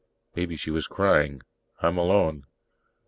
Maybe she was crying. "I'm alone.